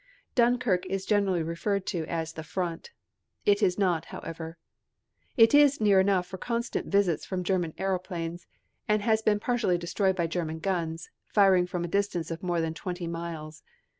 Dunkirk is generally referred to as the "front." It is not, however. It is near enough for constant visits from German aeroplanes, and has been partially destroyed by German guns, firing from a distance of more than twenty miles.